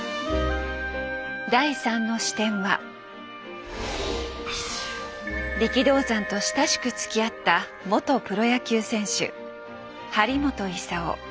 第３の視点は力道山と親しくつきあった元プロ野球選手張本勲。